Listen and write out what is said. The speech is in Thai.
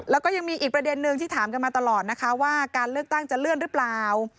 แล้วก็ยังมีอีกประเด็นนึงที่ถามกันมาตลอดนะคะว่าการเลือกตั้งจะเลื่อนหรือเปล่า